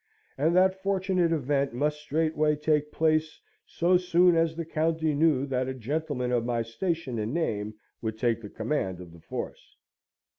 And that fortunate event must straightway take place, so soon as the county knew that a gentleman of my station and name would take the command of the force.